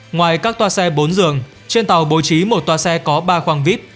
ngoài các tòa xe bốn dường trên tàu bố trí một tòa xe có ba khoang vip